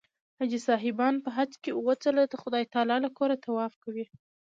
حاجي صاحبان په حج کې اووه ځله د خدای تعلی له کوره طواف کوي.